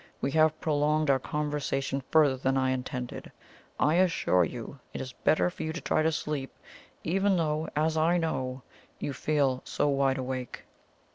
We have prolonged our conversation further than I intended. I assure you it is better for you to try to sleep, even though, as I know, you feel so wide awake.